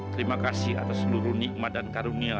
terima kasih atas seluruh nikmat dan karunia